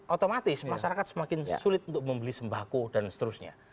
otomatis masyarakat semakin sulit untuk membeli sembako dan seterusnya